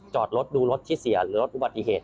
จอดรถดูรถที่เสียหรือลดอุบัติเหตุ